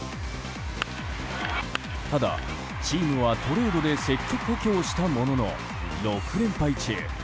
ただ、チームはトレードで積極補強したものの６連敗中。